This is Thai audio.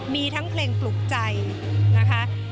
มีทั้งเพลงปลุกใจนะคะ